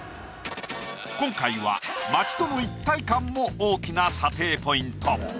今回は「街との一体感」も大きな査定ポイント。